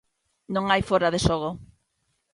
Non hai fóra de xogo.